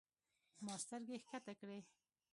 ما سترګې کښته کړې.